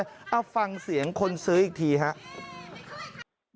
เอาฟังเสียงคนซื้ออีกทีครับ